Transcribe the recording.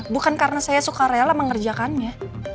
bukan karena saya suka rela mengerjakannya